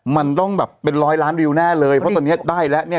มันต้องแบบเป็นร้อยล้านวิวแน่เลยเพราะตอนนี้ได้แล้วเนี่ย